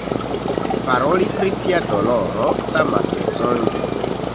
Paroli pri tia doloro samas mensogi.